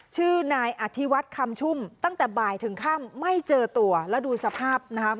ชื่อนายอธิวัฒน์คำชุ่มตั้งแต่บ่ายถึงค่ำไม่เจอตัวแล้วดูสภาพนะคะ